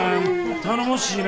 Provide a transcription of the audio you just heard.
頼もしいな。